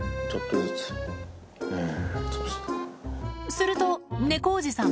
すると猫おじさん